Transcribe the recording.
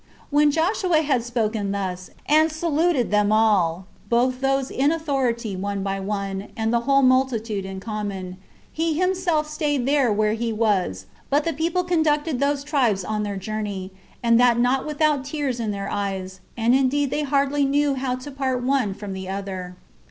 When Joshua had spoken thus, and saluted them all, both those in authority one by one, and the whole multitude in common, he himself staid where he was; but the people conducted those tribes on their journey, and that not without tears in their eyes; and indeed they hardly knew how to part one from the other.